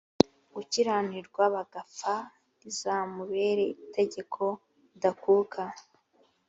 gukiranirwa bagapfa rizamubere itegeko ridakuka